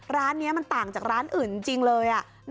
ร้านนี้มันต่างจากร้านอื่นจริงเลย